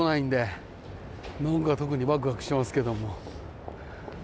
何か特にわくわくしますけども。